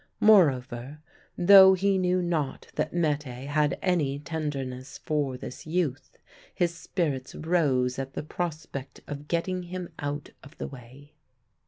Moreover, though he knew not that Mette had any tenderness for this youth, his spirits rose at the prospect of getting him out of the way.